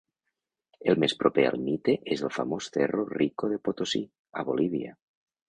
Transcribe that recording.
El més proper al mite és el famós Cerro Rico de Potosí, a Bolívia.